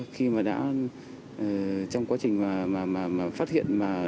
khi mà đã trong quá trình mà phát hiện